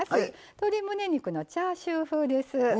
鶏むね肉のチャーシュー風です。